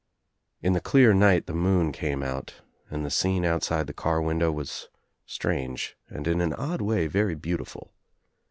In the clear night the moon came out and the scene outside the car window was strange and in an odd way very beautiful.